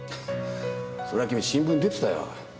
それは君新聞に出てたよ。